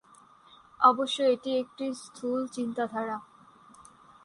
অবশ্য এটি একটি স্থুল চিন্তাধারা।